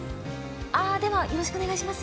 あぁではよろしくお願いします